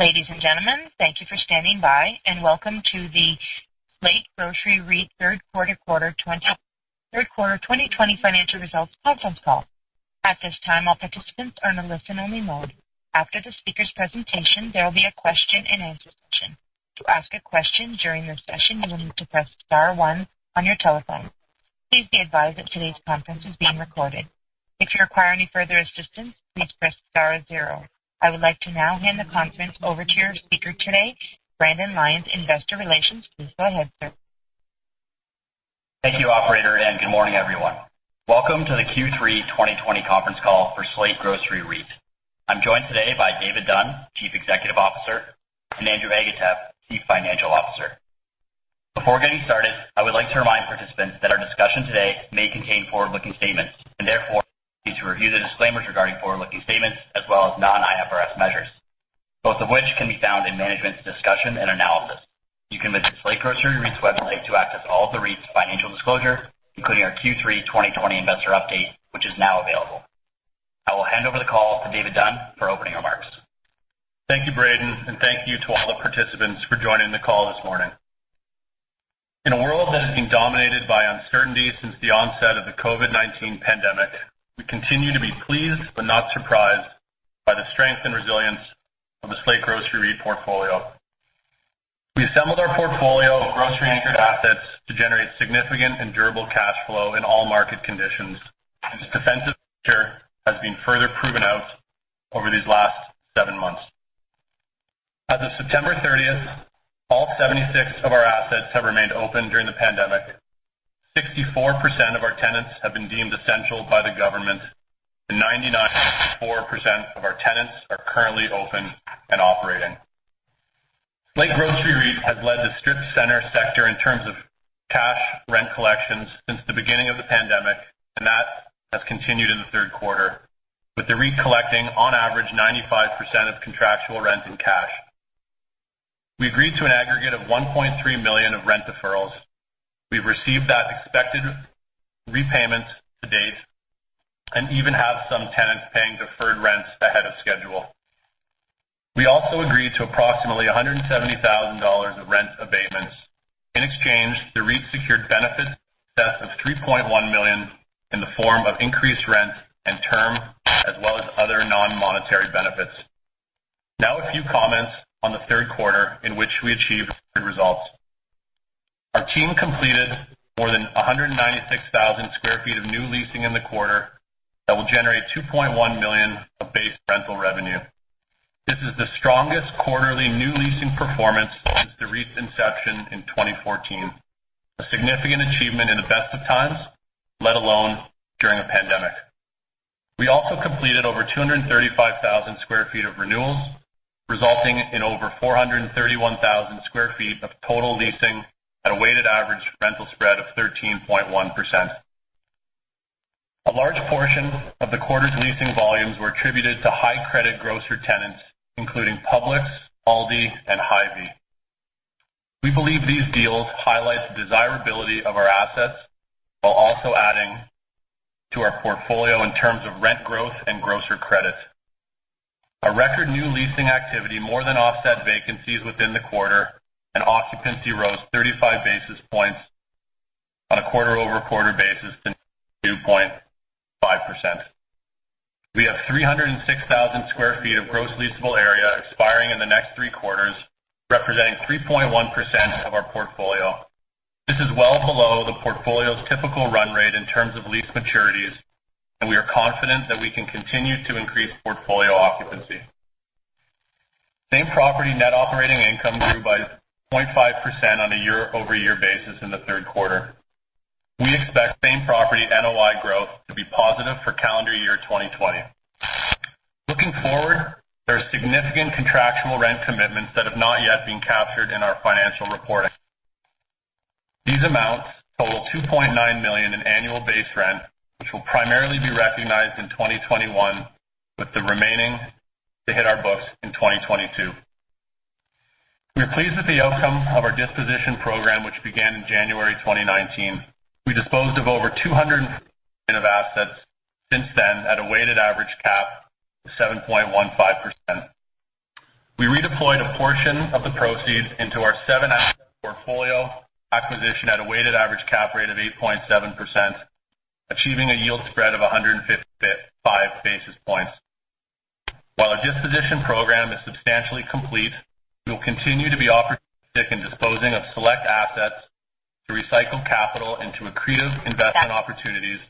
Ladies and gentlemen, thank you for standing by and welcome to the Slate Grocery REIT Third Quarter 2020 Financial Results Conference Call. I would like to now hand the conference over to your speaker today, Braden Lyons, Investor Relations. Please go ahead, sir. Thank you, operator, and good morning, everyone. Welcome to the Q3 2020 conference call for Slate Grocery REIT. I'm joined today by David Dunn, Chief Executive Officer, and Andrew Agatep, Chief Financial Officer. Before getting started, I would like to remind participants that our discussion today may contain forward-looking statements and therefore, you need to review the disclaimers regarding forward-looking statements as well as non-IFRS measures, both of which can be found in management's discussion and analysis. You can visit Slate Grocery REIT's website to access all of the REIT's financial disclosure, including our Q3 2020 investor update, which is now available. I will hand over the call to David Dunn for opening remarks. Thank you, Braden, thank you to all the participants for joining the call this morning. In a world that has been dominated by uncertainty since the onset of the COVID-19 pandemic, we continue to be pleased but not surprised by the strength and resilience of the Slate Grocery REIT portfolio. We assembled our portfolio of grocery-anchored assets to generate significant and durable cash flow in all market conditions, and this defensive nature has been further proven out over these last seven months. As of September 30th, all 76 of our assets have remained open during the pandemic. 64% of our tenants have been deemed essential by the government, and 99.4% of our tenants are currently open and operating. Slate Grocery REIT has led the strip center sector in terms of cash rent collections since the beginning of the pandemic, and that has continued in the third quarter, with the REIT collecting on average 95% of contractual rent in cash. We agreed to an aggregate of $1.3 million of rent deferrals. We've received that expected repayment to date and even have some tenants paying deferred rents ahead of schedule. We also agreed to approximately $170,000 of rent abatements. In exchange, the REIT secured benefits in excess of $3.1 million in the form of increased rent and term, as well as other non-monetary benefits. A few comments on the third quarter in which we achieved good results. Our team completed more than 196,000 sq ft of new leasing in the quarter that will generate $2.1 million of base rental revenue. This is the strongest quarterly new leasing performance since the REIT's inception in 2014. A significant achievement in the best of times, let alone during a pandemic. We also completed over 235,000 sq ft of renewals, resulting in over 431,000 sq ft of total leasing at a weighted average rental spread of 13.1%. A large portion of the quarter's leasing volumes were attributed to high credit grocer tenants, including Publix, Aldi, and Hy-Vee. We believe these deals highlight the desirability of our assets while also adding to our portfolio in terms of rent growth and grocer credits. Our record new leasing activity more than offset vacancies within the quarter, and occupancy rose 35 basis points on a quarter-over-quarter basis to 2.5%. We have 306,000 sq ft of gross leasable area expiring in the next three quarters, representing 3.1% of our portfolio. This is well below the portfolio's typical run rate in terms of lease maturities, and we are confident that we can continue to increase portfolio occupancy. Same property net operating income grew by 0.5% on a year-over-year basis in the third quarter. We expect same property NOI growth to be positive for calendar year 2020. Looking forward, there are significant contractual rent commitments that have not yet been captured in our financial reporting. These amounts total $2.9 million in annual base rent, which will primarily be recognized in 2021, with the remaining to hit our books in 2022. We are pleased with the outcome of our disposition program, which began in January 2019. We disposed of over 200 assets since then at a weighted average cap of 7.15%. We redeployed a portion of the proceeds into our seven asset portfolio acquisition at a weighted average cap rate of 8.7%, achieving a yield spread of 155 basis points. While our disposition program is substantially complete, we will continue to be opportunistic in disposing of select assets to recycle capital into accretive investment opportunities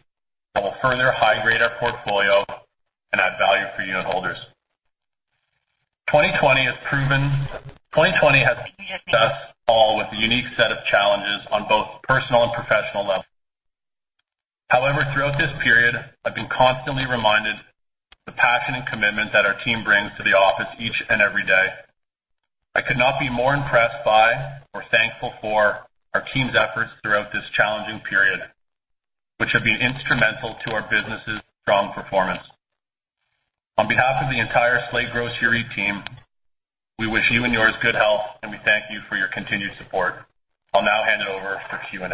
that will further high grade our portfolio and add value for unit holders. 2020 has blessed us all with a unique set of challenges on both personal and professional levels. However, throughout this period, I've been constantly reminded the passion and commitment that our team brings to the office each and every day. I could not be more impressed by or thankful for our team's efforts throughout this challenging period, which have been instrumental to our business's strong performance. On behalf of the entire Slate Grocery team, we wish you and yours good health, and we thank you for your continued support. I'll now hand it over for Q&A.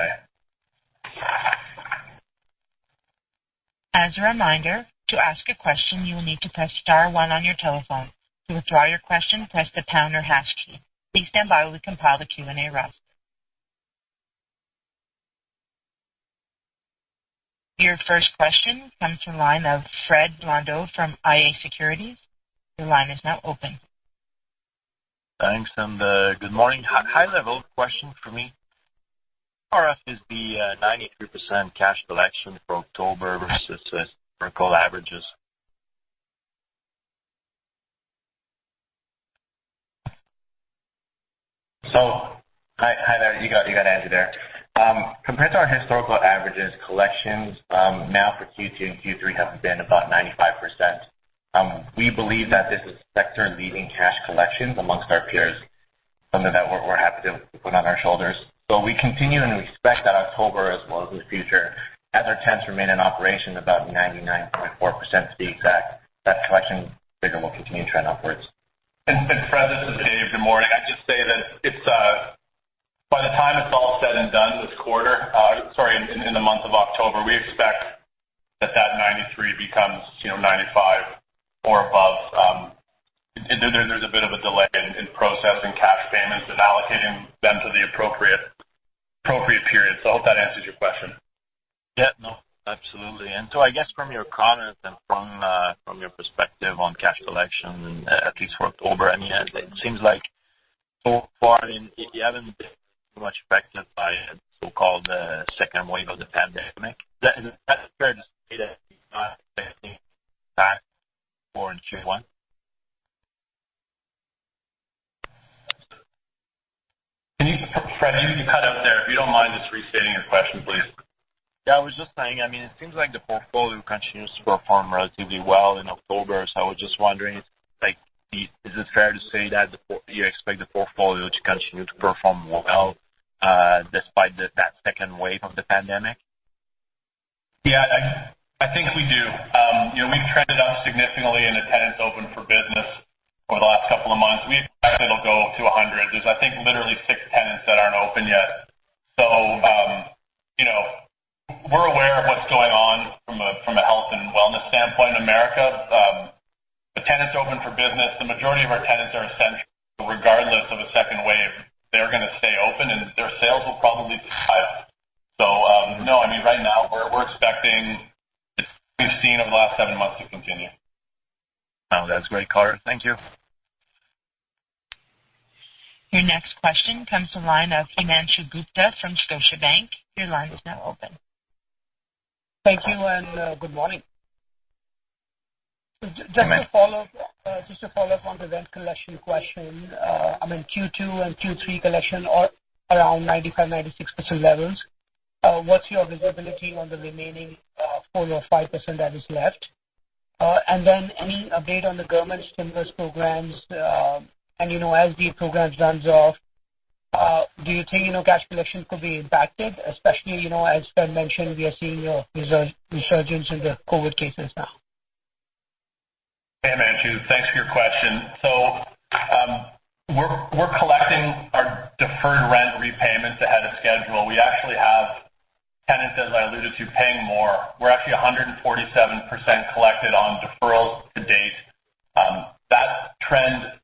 As a reminder, to ask a question, you will need to press star one on your telephone. To withdraw your question, press the pound or hash key. Please stand by while we compile the Q&A list. Your first question comes from the line of Fred Blondeau from iA Securities. Your line is now open. Thanks. Good morning. High-level question for me. Re: the 93% cash collection for October versus historical averages. Hi there. You got Andrew there. Compared to our historical averages, collections now for Q2 and Q3 have been about 95%. We believe that this is sector-leading cash collections amongst our peers, something that we're happy to put on our shoulders. We continue and we expect that October, as well as in the future, as our tenants remain in operation, about 99.4% is the exact collection figure, will continue to trend upwards. Fred, this is Dave. Good morning. I'd just say that by the time it's all said and done this quarter, sorry, in the month of October, we expect that that 93 becomes 95 or above. There's a bit of a delay in processing cash payments and allocating them to the appropriate period. I hope that answers your question. Yeah, no, absolutely. I guess from your comment and from your perspective on cash collection, at least for October, it seems like so far, you haven't been too much affected by a so-called second wave of the pandemic. Is that fair to say that back for Q1? Fred, you cut out there. If you don't mind just restating your question, please. Yeah, I was just saying, it seems like the portfolio continues to perform relatively well in October. I was just wondering, is it fair to say that you expect the portfolio to continue to perform well despite that second wave of the pandemic? Yeah, I think we do. We've trended up significantly in the tenants open for business over the last couple of months. We expect it'll go to 100. There's, I think, literally six tenants that aren't open yet. We're aware of what's going on from a health and wellness standpoint in America. Tenants open for business, the majority of our tenants are essential. Regardless of a second wave, they're going to stay open, and their sales will probably pile. No, right now we're expecting what we've seen over the last seven months to continue. Oh, that's great, Color. Thank you. Your next question comes from the line of Himanshu Gupta from Scotiabank. Your line is now open. Thank you. Good morning. Hey, man. Just to follow up on the rent collection question. In Q2 and Q3 collection are around 95%, 96% levels. What's your visibility on the remaining 4% or 5% that is left? Then any update on the government stimulus programs? As the program runs off, do you think cash collection could be impacted, especially as Fred mentioned, we are seeing a resurgence in the COVID-19 cases now. Hey, Himanshu. Thanks for your question. We're collecting our deferred rent repayments ahead of schedule. We actually have tenants, as I alluded to, paying more. We're actually 147% collected on deferrals to date. That trend,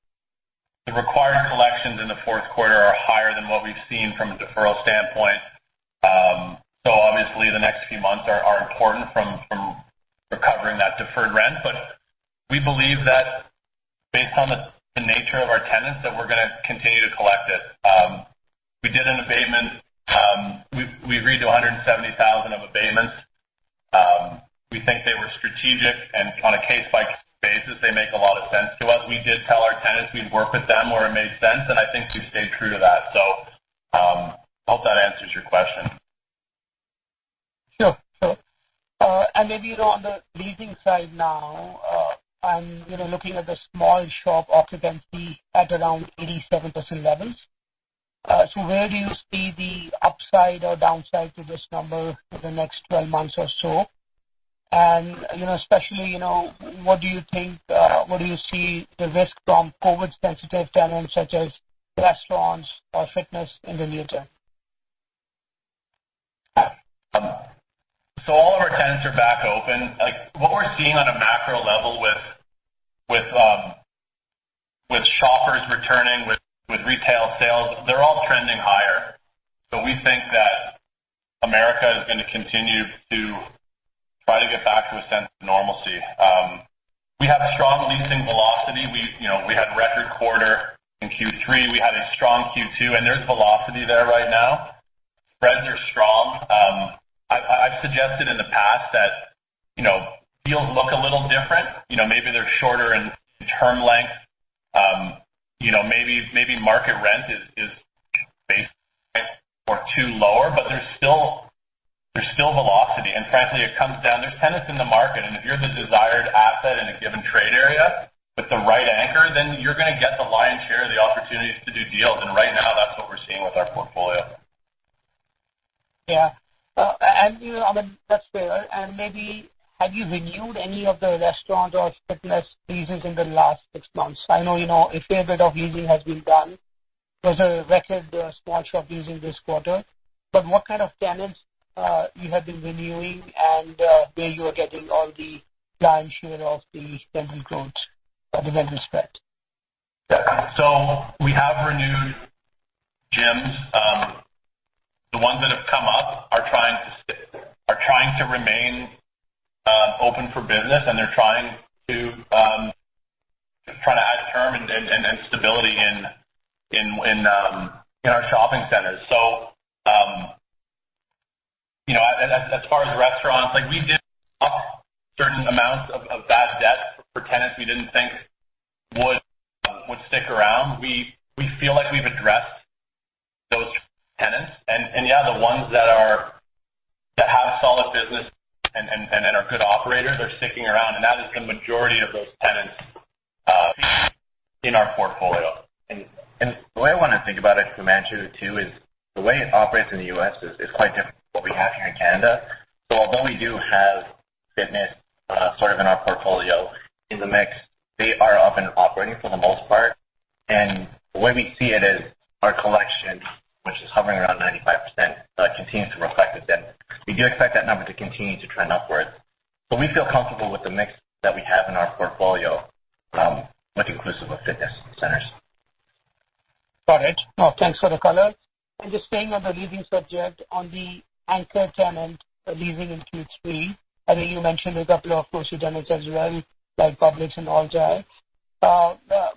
the required collections in the fourth quarter are higher than what we've seen from a deferral standpoint. Obviously, the next few months are important from recovering that deferred rent. We believe that based on the nature of our tenants, that we're going to continue to collect it. We did an abatement. We agreed to $170,000 of abatements. We think they were strategic, and on a case-by-case basis, they make a lot of sense to us. We did tell our tenants we'd work with them where it made sense, and I think we've stayed true to that. Hope that answers your question. Sure. Maybe on the leasing side now, I'm looking at the small shop occupancy at around 87% levels. Where do you see the upside or downside to this number for the next 12 months or so? Especially what do you think, what do you see the risk from COVID-sensitive tenants such as restaurants or fitness in the near term? All of our tenants are back open. What we're seeing on a macro level with shoppers returning, with retail sales, they're all trending higher. We think that America is going to continue to try to get back to a sense of normalcy. We have strong leasing velocity. We had a record quarter in Q3. We had a strong Q2, and there's velocity there right now. Spreads are strong. I've suggested in the past that deals look a little different. Maybe they're shorter in term length. Maybe market rent is based or two lower, but there's still velocity, and frankly, it comes down. There's tenants in the market, and if you're the desired asset in a given trade area with the right anchor, then you're going to get the lion's share of the opportunities to do deals. Right now, that's what we're seeing with our portfolio. Yeah. That's fair. Maybe have you renewed any of the restaurant or fitness leases in the last six months? I know a fair bit of leasing has been done. There's a record small shop leasing this quarter. What kind of tenants you have been renewing and where you are getting all the lion's share of the rental growth with that respect? Yeah. We have renewed gyms. The ones that have come up are trying to remain open for business, and they're trying to add term and stability in our shopping centers. As far as restaurants, we did drop certain amounts of bad debt for tenants we didn't think would stick around. We feel like we've addressed those tenants and yeah, the ones that have solid business and are good operators, they're sticking around, and that is the majority of those tenants in our portfolio. The way I want to think about it, Himanshu, too, is the way it operates in the U.S. is quite different from what we have here in Canada. Although we do have fitness sort of in our portfolio in the mix, they are up and operating for the most part. The way we see it is our collection, which is hovering around 95%, continues to reflect the tenant. We do expect that number to continue to trend upwards, but we feel comfortable with the mix that we have in our portfolio with inclusive of fitness centers. Got it. No, thanks for the color. Just staying on the leasing subject on the anchor tenant leasing in Q3, I know you mentioned a couple of grocery tenants as well, like Publix and Aldi.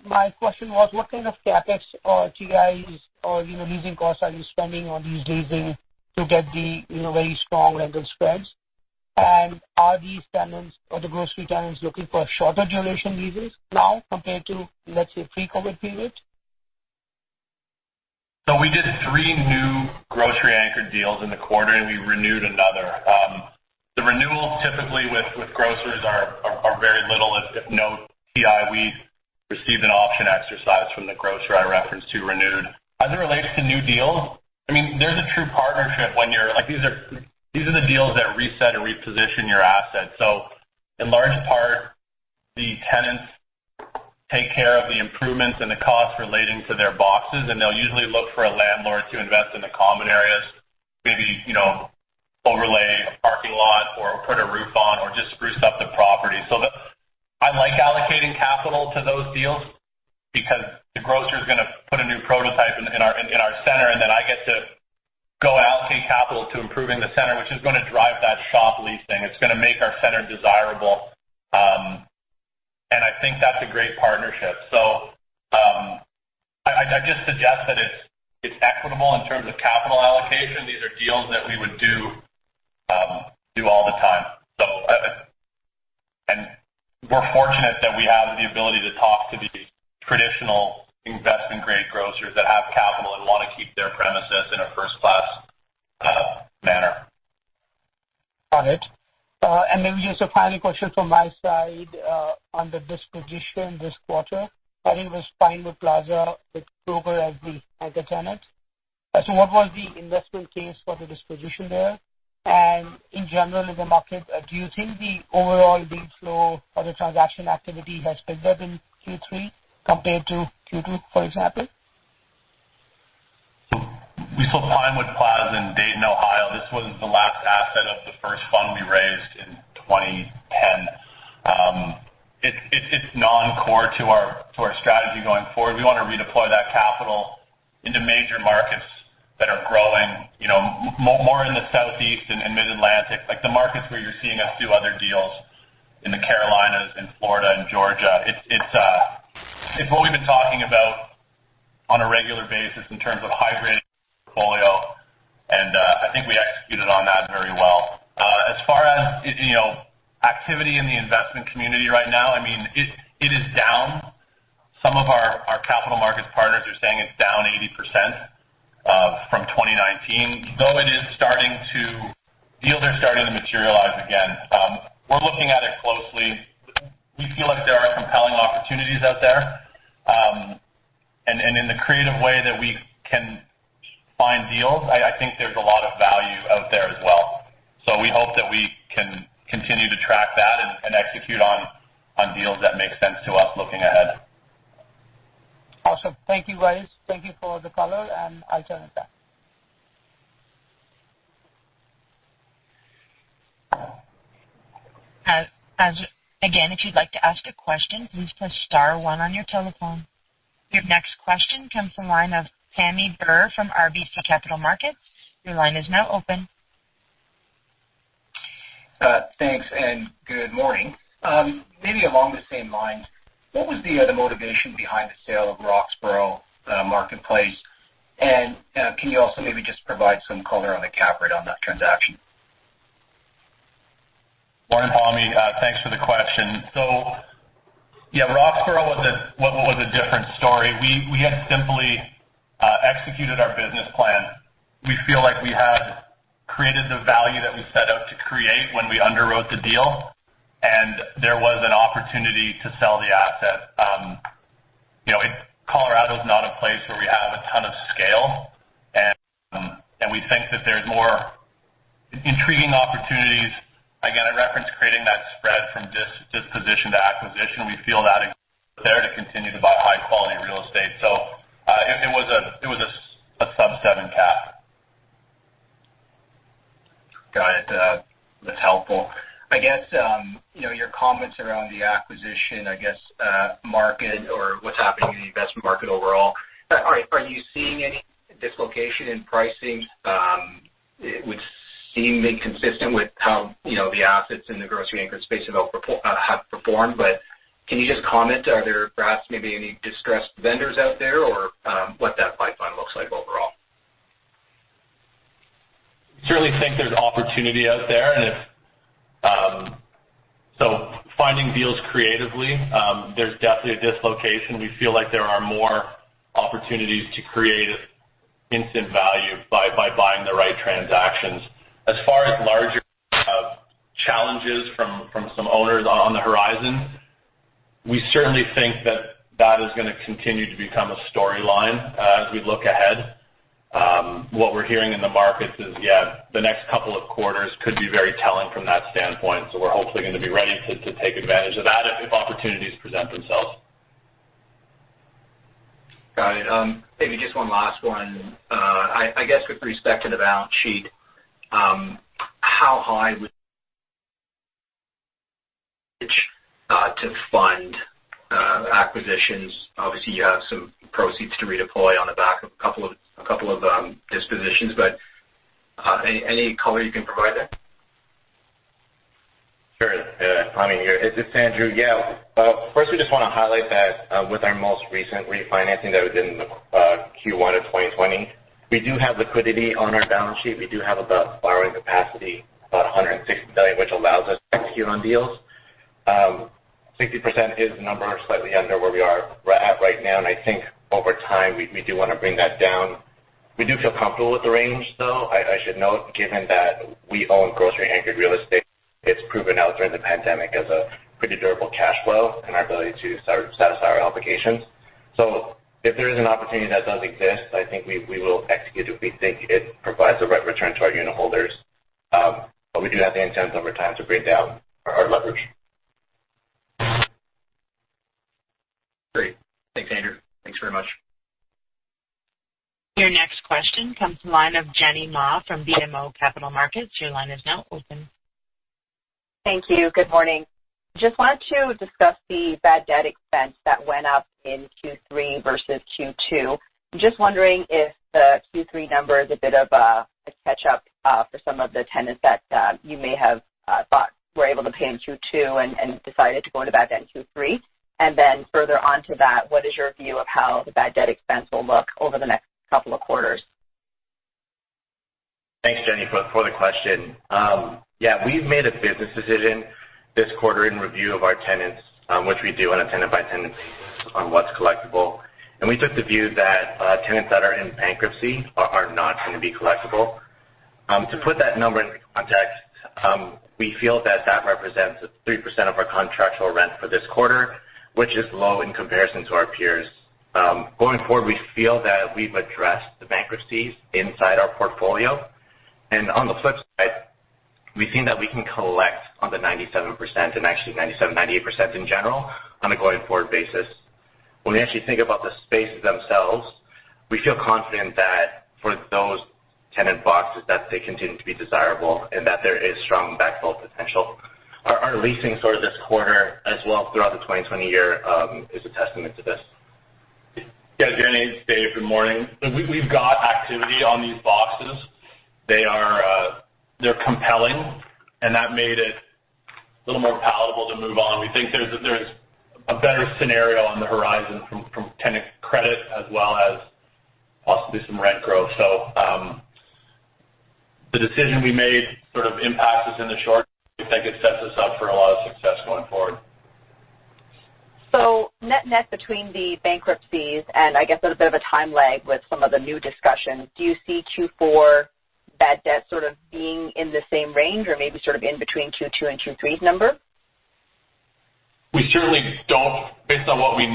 My question was, what kind of CapEx or TIs or leasing costs are you spending on these leases to get the very strong rental spreads? Are these tenants or the grocery tenants looking for shorter duration leases now compared to, let's say, pre-COVID period? We did three new grocery anchor deals in the quarter, and we renewed another. The renewals typically with grocers are very little, if no TI. We received an option exercise from the grocer I referenced who renewed. As it relates to new deals, these are the deals that reset or reposition your assets. In large part, the tenants take care of the improvements and the costs relating to their boxes, and they'll usually look for a landlord to invest in the common areas, maybe overlay a parking lot or put a roof on or just spruce up the property. I like allocating capital to those deals because the grocer's going to put a new prototype in our center, and then I get to go allocate capital to improving the center, which is going to drive that shop leasing. It's going to make our center desirable. I think that's a great partnership. I just suggest that it's equitable in terms of capital allocation. These are deals that we would do all the time. We're fortunate that we have the ability to talk to these traditional investment-grade grocers that have capital and want to keep their premises in a first-class manner. Got it. Maybe just a final question from my side on the disposition this quarter. I think it was Pinewood Plaza with Kroger as the anchor tenant. What was the investment case for the disposition there? In general, in the market, do you think the overall deal flow or the transaction activity has picked up in Q3 compared to Q2, for example? We sold Pinewood Plaza in Dayton, Ohio. This was the last asset of the first fund we raised in 2010. It's non-core to our strategy going forward. We want to redeploy that capital into major markets that are growing, more in the Southeast and Mid-Atlantic, like the markets where you're seeing us do other deals in the Carolinas, in Florida, and Georgia. It's what we've been talking about on a regular basis in terms of high-grade portfolio, and I think we executed on that very well. As far as activity in the investment community right now, it is down. Some of our capital market partners are saying it's down 80% from 2019, though deals are starting to materialize again. We're looking at it closely. We feel like there are compelling opportunities out there. In the creative way that we can find deals, I think there's a lot of value out there as well. We hope that we can continue to track that and execute on deals that make sense to us looking ahead. Awesome. Thank you, guys. Thank you for the color, and I'll turn it back. Your next question comes from the line of Pammi Bir from RBC Capital Markets. Your line is now open. Thanks, and good morning. Maybe along the same lines, what was the motivation behind the sale of Roxborough Marketplace? Can you also maybe just provide some color on the cap rate on that transaction? Morning, Pammi. Thanks for the question. Yeah, Roxborough was a different story. We had simply executed our business plan. We feel like we had created the value that we set out to create when we underwrote the deal, and there was an opportunity to sell the asset. Colorado's not a place where we have a ton of scale. More intriguing opportunities. Again, I reference creating that spread from disposition to acquisition. We feel that there to continue to buy high-quality real estate. It was a sub seven cap. Got it. That's helpful. Your comments around the acquisition market or what's happening in the investment market overall. Are you seeing any dislocation in pricing which seem inconsistent with how the assets in the grocery-anchored space have performed? Can you just comment, are there perhaps maybe any distressed vendors out there or what that pipeline looks like overall? Certainly think there's opportunity out there and if so, finding deals creatively, there's definitely a dislocation. We feel like there are more opportunities to create instant value by buying the right transactions. As far as larger challenges from some owners on the horizon, we certainly think that that is going to continue to become a storyline as we look ahead. What we're hearing in the markets is, the next couple of quarters could be very telling from that standpoint. We're hopefully going to be ready to take advantage of that if opportunities present themselves. Got it. Maybe just one last one. I guess with respect to the balance sheet, how high would to fund acquisitions? Obviously, you have some proceeds to redeploy on the back of a couple of dispositions, any color you can provide there? Sure. Pammi here. This is Andrew. First, we just want to highlight that with our most recent refinancing that was in the Q1 of 2020, we do have liquidity on our balance sheet. We do have borrowing capacity, about $160 million, which allows us to execute on deals. 60% is the number slightly under where we are at right now, and I think over time, we do want to bring that down. We do feel comfortable with the range, though, I should note, given that we own grocery-anchored real estate. It's proven out during the pandemic as a pretty durable cash flow and our ability to satisfy our obligations. If there is an opportunity that does exist, I think we will execute if we think it provides the right return to our unit holders. We do have the intent over time to bring down our leverage. Great. Thanks, Andrew. Thanks very much. Your next question comes from the line of Jenny Ma from BMO Capital Markets. Your line is now open. Thank you. Good morning. Just wanted to discuss the bad debt expense that went up in Q3 versus Q2. I'm just wondering if the Q3 number is a bit of a catch up for some of the tenants that you may have thought were able to pay in Q2 and decided to go into bad debt in Q3. Further onto that, what is your view of how the bad debt expense will look over the next couple of quarters? Thanks, Jenny, for the question. Yeah, we've made a business decision this quarter in review of our tenants, which we do on a tenant-by-tenant basis on what's collectible. We took the view that tenants that are in bankruptcy are not going to be collectible. To put that number into context, we feel that that represents 3% of our contractual rent for this quarter, which is low in comparison to our peers. Going forward, we feel that we've addressed the bankruptcies inside our portfolio, and on the flip side, we've seen that we can collect on the 97% and actually 97, 98% in general, on a going forward basis. When we actually think about the spaces themselves, we feel confident that for those tenant boxes, that they continue to be desirable and that there is strong backfill potential. Our leasing sort of this quarter as well throughout the 2020 year is a testament to this. Yeah. Jenny, it's Dave. Good morning. We've got activity on these boxes. They're compelling, and that made it a little more palatable to move on. We think there's a better scenario on the horizon from tenant credit as well as possibly some rent growth. The decision we made sort of impacts us in the short. We think it sets us up for a lot of success going forward. Net between the bankruptcies and I guess a bit of a time lag with some of the new discussions, do you see Q4 bad debt sort of being in the same range or maybe sort of in between Q2 and Q3's number? Based on what we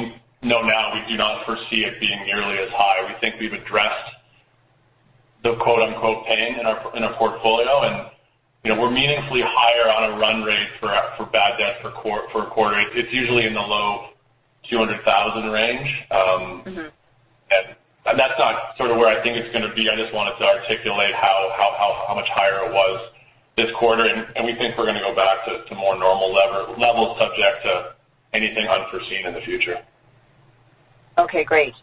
know now, we do not foresee it being nearly as high. We think we've addressed the quote-unquote, "Pain" in our portfolio, and we're meaningfully higher on a run rate for bad debt per quarter. It's usually in the low $200,000 range. That's not sort of where I think it's going to be. I just wanted to articulate how much higher it was this quarter, and we think we're going to go back to more normal levels subject to anything unforeseen in the future. Okay, great.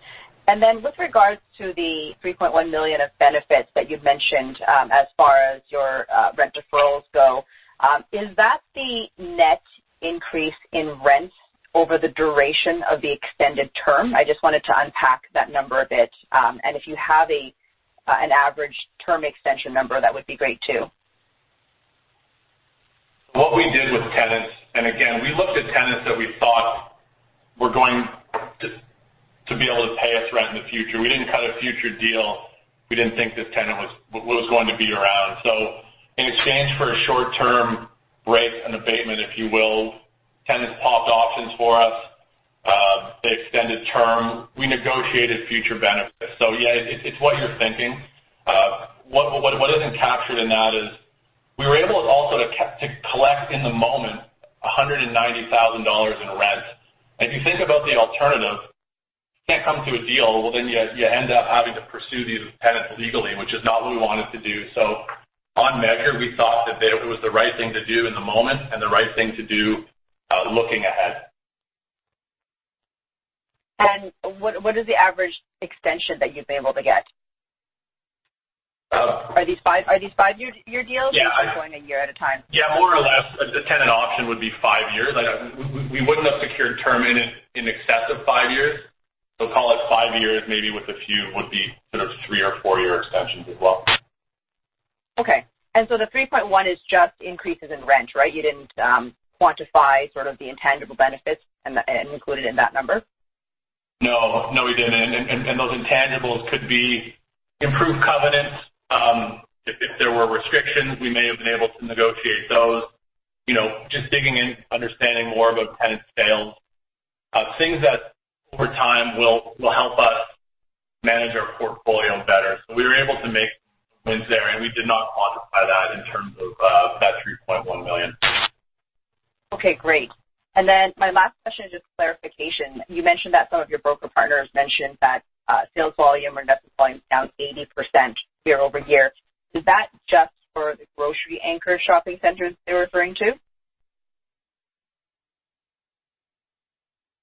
Then with regards to the $3.1 million of benefits that you've mentioned as far as your rent deferrals go, is that the net increase in rent over the duration of the extended term? I just wanted to unpack that number a bit. If you have an average term extension number, that would be great too. What we did with tenants, again, we looked at tenants that we thought were going to be able to pay us rent in the future. We didn't cut a future deal. We didn't think this tenant was going to be around. In exchange for a short-term break and abatement, if you will, tenants popped options for us. Extended term, we negotiated future benefits. Yeah, it's what you're thinking. What isn't captured in that is we were able also to collect in the moment $190,000 in rent. If you think about the alternative, can't come to a deal, well, you end up having to pursue these tenants legally, which is not what we wanted to do. On measure, we thought that it was the right thing to do in the moment and the right thing to do looking ahead. What is the average extension that you've been able to get? Are these five-year deals? Yeah. Are you going a year at a time? Yeah, more or less. A tenant option would be five years. We wouldn't have secured term in excess of five years. Call it five years, maybe with a few, would be sort of three or four-year extensions as well. Okay. The 3.1 is just increases in rent, right? You didn't quantify sort of the intangible benefits and include it in that number? No, we didn't. Those intangibles could be improved covenants. If there were restrictions, we may have been able to negotiate those. Just digging in, understanding more about tenant sales. Things that over time will help us manage our portfolio better. We were able to make wins there, and we did not quantify that in terms of that $3.1 million. Okay, great. My last question is just clarification. You mentioned that some of your broker partners mentioned that sales volume or net sales down 80% year-over-year. Is that just for the grocery anchor shopping centers they're referring to?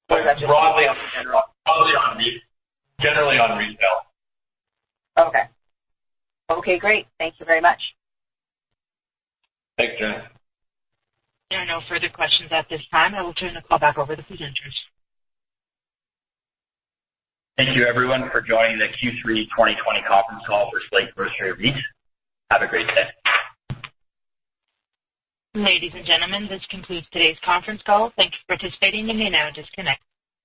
Broadly on retail. Generally on retail. Okay. Okay, great. Thank you very much. Thanks, Jenny. There are no further questions at this time. I will turn the call back over to the presenters. Thank you everyone for joining the Q3 2020 conference call for Slate Grocery REIT. Have a great day. Ladies and gentlemen, this concludes today's conference call. Thank you for participating. You may now disconnect.